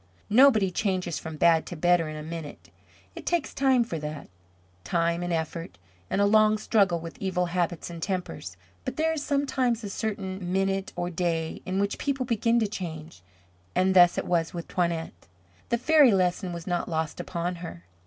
Nobody changes from bad to better in a minute. It takes time for that, time and effort, and a long struggle with evil habits and tempers. But there is sometimes a certain minute or day in which people begin to change, and thus it was with Toinette. The fairy lesson was not lost upon her.